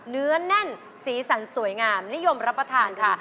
เนื้อแน่นสีสันสวยงามนิยมรับประทานค่ะ